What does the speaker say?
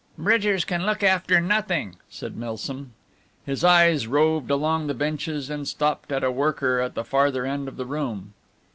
"Bridgers can look after nothing," said Milsom. His eyes roved along the benches and stopped at a worker at the farther end of the room.